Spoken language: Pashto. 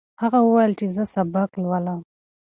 هغه وویل چې زه سبق لولم.